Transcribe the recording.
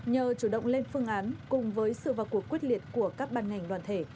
nhờ chủ động lên phương án cùng với sự vào cuộc quyết liệt của các ban ngành đoàn thể